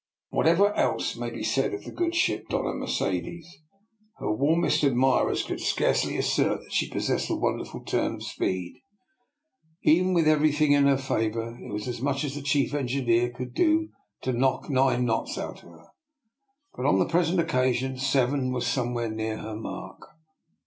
Whatever else may be said of the good ship Doiia Mercedes, her warmest admirers could scarcely assert that she possessed a wonderful turn of speed. Even with every thing in her favour it was as much as the chief engineer could do to knock nine knots out of her, but on the present occasion seven was 126 DR. NIKOLA'S EXPERIMENT. somewhere nearer her mark.